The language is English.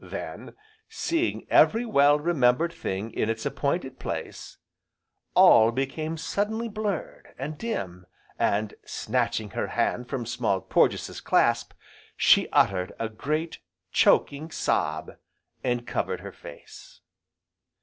Then, seeing every well remembered thing in its appointed place, all became suddenly blurred, and dim, and, snatching her hand from Small Porges' clasp, she uttered a great, choking sob, and covered her face.